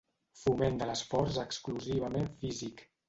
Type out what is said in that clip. Foment de l'esforç exclusivament físic.